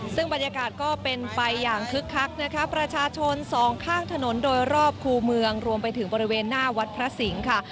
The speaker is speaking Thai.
ซึ่งบรรยากาศก็เป็นไปอย่างคึกคักนะคะประชาชนสองข้างถนนโดยรอบคู่เมืองรวมไปถึงบริเวณหน้าวัดพระสิงห์ค่ะ